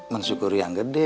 mensyukuri yang gede